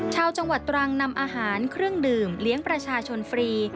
ชาวจังหวัดตรังนำอาหารเครื่องดื่มเลี้ยงประชาชนฟรี